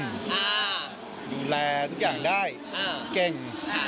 ดูแลทุกอย่างได้เก่ง